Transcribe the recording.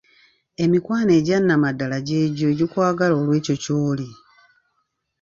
Emikwano egyannamaddala gy'egyo egikwagala olw'ekyo ky'oli.